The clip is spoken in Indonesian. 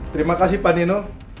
terima kasih pak nino